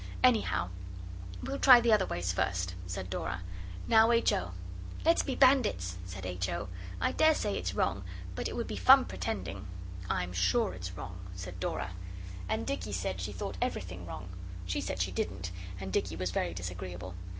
'Anyhow, we'll try the other ways first,' said Dora. 'Now, H. O.' 'Let's be Bandits,' said H. O. 'I dare say it's wrong but it would be fun pretending.' 'I'm sure it's wrong,' said Dora. And Dicky said she thought everything wrong. She said she didn't, and Dicky was very disagreeable.